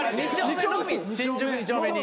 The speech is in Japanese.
新宿二丁目に。